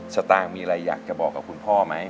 ตางค์มีอะไรอยากจะบอกกับคุณพ่อไหม